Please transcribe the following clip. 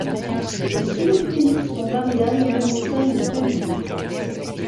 Les signes cliniques sont variables même au sein d'une famille.